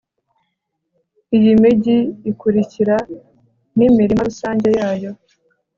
iyi migi ikurikira n'imirima rusange yayo